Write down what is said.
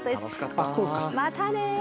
またね。